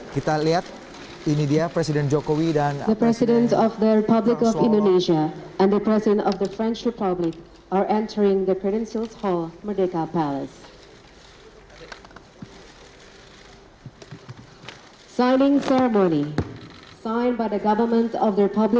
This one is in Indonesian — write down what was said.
kita lihat ini dia presiden jokowi dan presiden perancis hollande